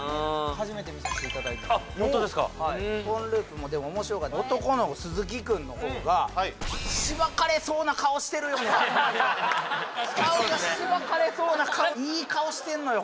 初めて見させていただいたポンループもでもおもしろかった男の子鈴木くんのほうが顔がシバかれそうな顔いい顔してんのよ